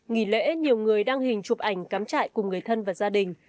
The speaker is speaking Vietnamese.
nghỉ lễ nhiều người đăng hình chụp ảnh cắm trại cùng người thân và gia đình